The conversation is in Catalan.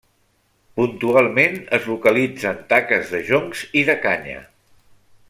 Puntualment es localitzen taques de joncs i de canya.